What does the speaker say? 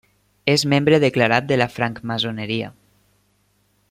És membre declarat de la francmaçoneria.